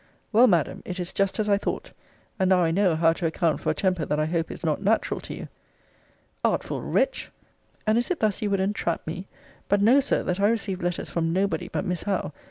Well, Madam, it is just as I thought. And now I know how to account for a temper that I hope is not natural to you. Artful wretch! and is it thus you would entrap me? But know, Sir, that I received letters from nobody but Miss Howe.